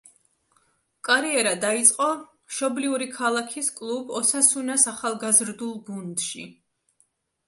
კარიერა დაიწყო მშობლიური ქალაქის კლუბ „ოსასუნას“ ახალგაზრდულ გუნდში.